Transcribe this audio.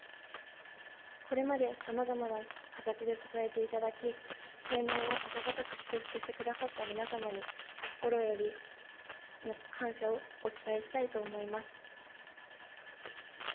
これまでさまざまな形で支えていただき、成年を温かく祝福してくださった皆様に、心よりの感謝をお伝えしたいと思います。